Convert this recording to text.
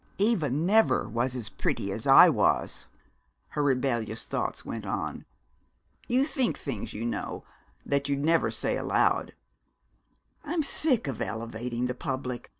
"Eva never was as pretty as I was!" her rebellious thoughts went on. You think things, you know, that you'd never say aloud. "I'm sick of elevating the public!